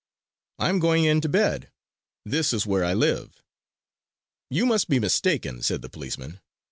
"I am going in to bed. This is where I live!" "You must be mistaken," said the policemen.